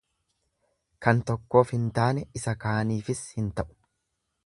Kan tokkoof hin taane isa kaaniifis hin ta'u.